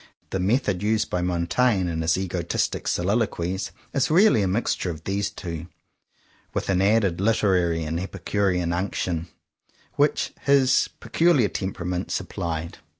The method used by Montaigne in his egotistic soliloquies is really a mixture of these two, with an added literary and epicurean unc tion which his peculiar temperament sup plied.